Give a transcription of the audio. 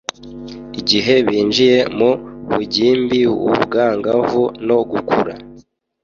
igihe binjiye mu bugimbiubwangavu no gukura